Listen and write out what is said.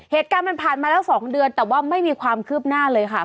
เหตุการณ์มันผ่านมาแล้ว๒เดือนแต่ว่าไม่มีความคืบหน้าเลยค่ะ